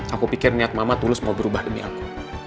aku pikir niat mama tulus mau berubah demi aku